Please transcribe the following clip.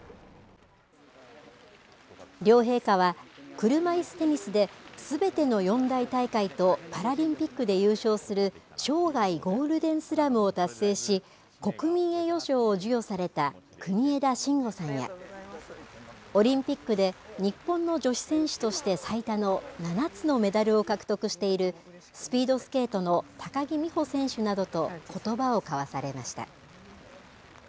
両陛下は、車いすテニスですべての四大大会とパラリンピックで優勝する生涯ゴールデンスラムを達成し国民栄誉賞を授与された国枝慎吾さんやオリンピックで日本の女子選手として最多の７つのメダルを獲得しているスピードスケートの高木美帆選手などとことばを交わされました。